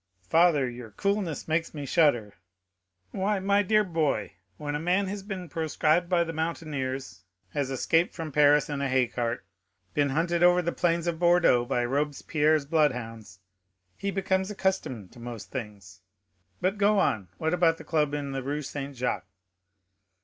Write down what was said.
"Father, your coolness makes me shudder." "Why, my dear boy, when a man has been proscribed by the mountaineers, has escaped from Paris in a hay cart, been hunted over the plains of Bordeaux by Robespierre's bloodhounds, he becomes accustomed to most things. But go on, what about the club in the Rue Saint Jacques?"